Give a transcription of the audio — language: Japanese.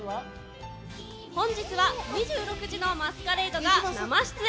本日は、２６時のマスカレイドが生出演。